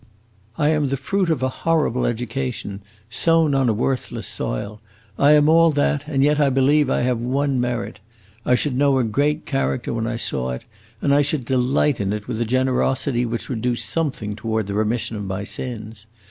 I am the fruit of a horrible education, sown on a worthless soil. I am all that, and yet I believe I have one merit! I should know a great character when I saw it, and I should delight in it with a generosity which would do something toward the remission of my sins.